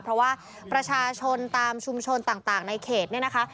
เพราะว่าประชาชนตามชุมชนต่างในเขตเนี่ยนะคะ